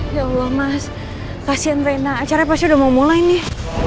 ya allah mas kasihan reina acaranya pasti udah mau mulai nih